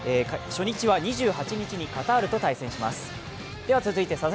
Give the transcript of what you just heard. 初日はカタールと対戦します。